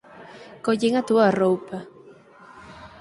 Collín a túa roupa.